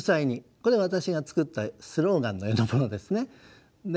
これ私が作ったスローガンのようなものですね。